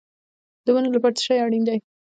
د ونو لپاره څه شی اړین دی؟